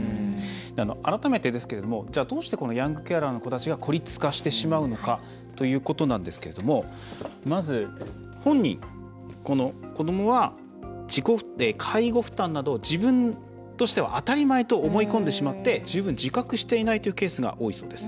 改めてですけれどもどうしてヤングケアラーの子たちが孤立化してしまうのかということなんですけどまず、本人、子どもは介護負担などを自分としては当たり前と思い込んでしまって十分自覚していないというケースが多いそうです。